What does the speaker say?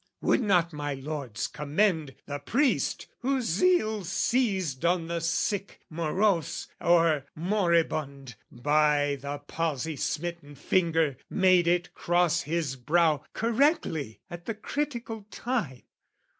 Would not my lords commend the priest whose zeal Seized on the sick, morose, or moribund, By the palsy smitten finger, made it cross His brow correctly at the critical time?